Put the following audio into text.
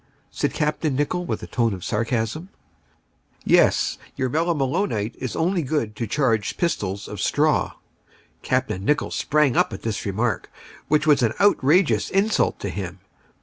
said Capt. Nicholl, with a tone of sarcasm. "Yes, your melimelonite is good only to charge pistols of straw." Capt. Nicholl sprang up at this remark, which was an outrageous insult to him.